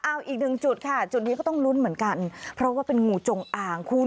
เอาอีกหนึ่งจุดค่ะจุดนี้ก็ต้องลุ้นเหมือนกันเพราะว่าเป็นงูจงอ่างคุณ